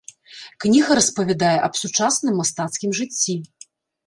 Кніга распавядае аб сучасным мастацкім жыцці.